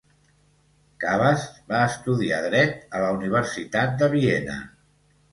Kabas va estudiar dret a la Universitat de Viena.